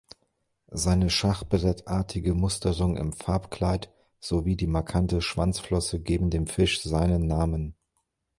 Seine schachbrettartige Musterung im Farbkleid sowie die markante Schwanzflosse geben dem Fisch seinen Namen.